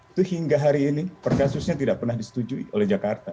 itu hingga hari ini perkasusnya tidak pernah disetujui oleh jakarta